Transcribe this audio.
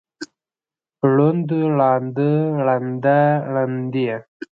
ړوند، ړانده، ړنده، ړندې.